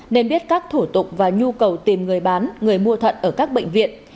nên biết các thủ tục và nhu cầu tìm người bán người mua thận ở các bệnh viện